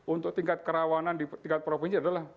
untuk tingkat kerawanan di tingkat provinsi adalah